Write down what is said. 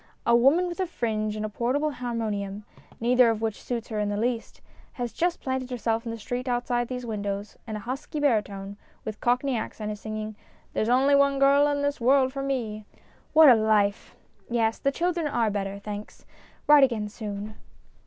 A woman with a fringe and a portable harmonium neither of which suits 238 STORIES IN GREY her in the least has just planted herself in the street outside these windows, and a husky baritone, with Cockney accent, is singing, " There's only one girl hin this world for me !" What a life ! Yes, the children are better, thanks. Write again soon.